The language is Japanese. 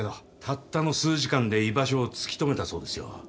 たったの数時間で居場所を突き止めたそうですよ。